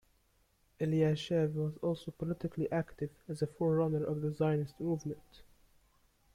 Elyashev was also politically active, as a forerunner of the Zionist Movement.